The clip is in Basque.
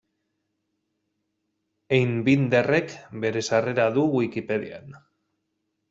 Einbinderrek bere sarrera du Wikipedian.